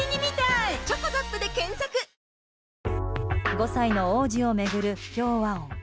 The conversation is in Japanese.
５歳の王子を巡る不協和音。